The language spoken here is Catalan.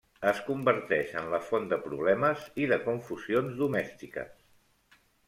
Es converteix en la font de problemes i de confusions domèstiques.